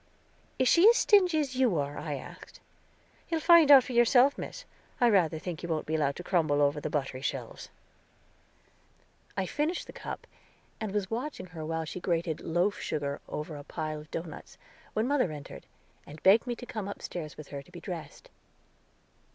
"Is she as stingy as you are?" I asked. "You'll find out for yourself, Miss. I rather think you won't be allowed to crumble over the buttery shelves." I finished the cup, and was watching her while she grated loaf sugar over a pile of doughnuts, when mother entered, and begged me to come upstairs with her to be dressed.